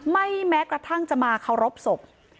ไม่แม้กระทั่งจะมาเข้ารบศพ